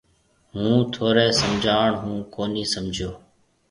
هُون ٿوري سمجھاڻ هون ڪونِي سمجھيَََو۔